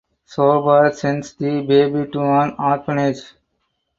Shobha sends the baby to an orphanage.